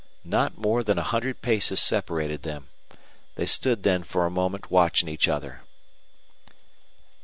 Not more than a hundred paces separated them. They stood then for a moment watching each other.